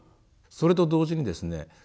それと同時にですね